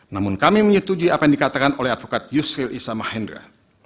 namun kami menyetujui apa yang dikatakan oleh advokat yusri issam mahendra